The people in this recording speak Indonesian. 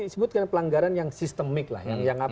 disebutkan pelanggaran yang sistemik lah